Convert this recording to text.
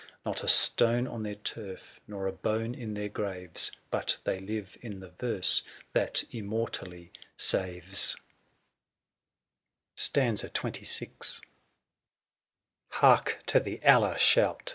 Not a stone on their turf, nor a bone in their graTes; But they live in the verse that immortally saveSk XXVL Hark to the Allah shout